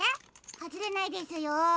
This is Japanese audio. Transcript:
はずれないですよ？